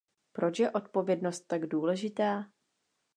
Proč je odpovědnost tak důležitá?